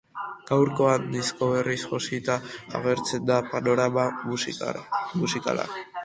Gaurkoan, disko berriz josita agertzen da panorama musikala.